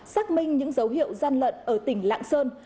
xác minh những dấu hiệu gian lận ở tỉnh lạng sơn